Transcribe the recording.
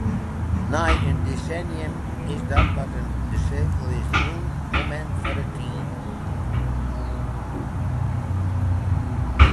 Nei in desennium is dit wat in ‘de-sirkel-is-rûnmomint’ foar it team.